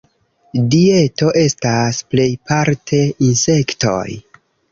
Dieto estas plejparte insektoj.